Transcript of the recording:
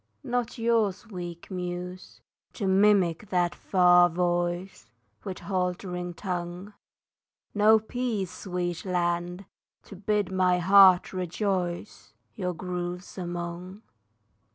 Not yours, weak Muse, to mimic that far voice, With halting tongue; No peace, sweet land, to bid my heart rejoice Your groves among.